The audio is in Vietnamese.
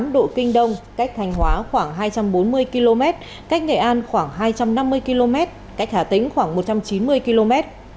một mươi độ kinh đông cách thanh hóa khoảng hai trăm bốn mươi km cách nghệ an khoảng hai trăm năm mươi km cách hà tĩnh khoảng một trăm chín mươi km